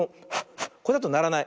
これだとならない。